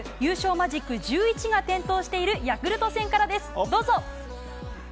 マジック１１が点灯しているヤクルト戦からです、どうぞ。